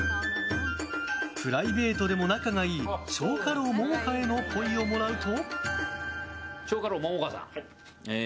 プライベートでも仲がいい蝶花楼桃花へのっぽいをもらうと。